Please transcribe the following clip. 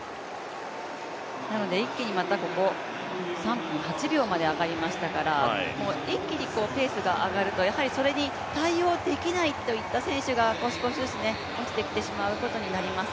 なので一気にここ３分８秒まで上がりましたから、一気にペースが上がると、それに対応できないといった選手が少しずつ落ちてきてしまうことになります。